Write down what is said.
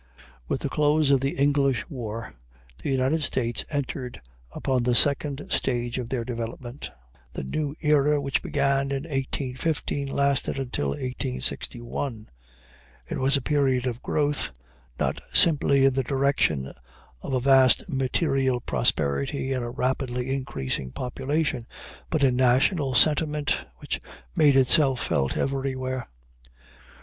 With the close of the English war the United States entered upon the second stage of their development. The new era, which began in 1815, lasted until 1861. It was a period of growth, not simply in the direction of a vast material prosperity and a rapidly increasing population, but in national sentiment, which made itself felt everywhere.